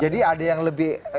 jadi ada yang lebih